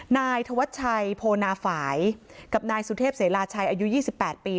นายธวัชชัยโพนาฝ่ายกับนายสุเทพเสราชัยอายุ๒๘ปี